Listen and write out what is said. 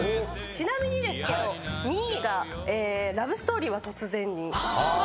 ちなみにですけど２位が『ラブ・ストーリーは突然に』小田和正さん。